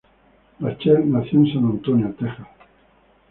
Rachel nació en San Antonio, Texas.